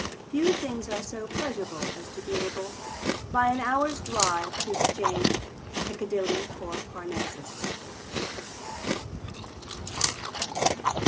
Few things are so pleasurable as to be able by an hour's drive to exchange Piccadilly for Parnassus.